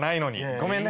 ごめんね。